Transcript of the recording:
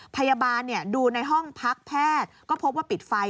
พยาบาลดูในห้องพักแพทย์ก็พบว่าปิดไฟ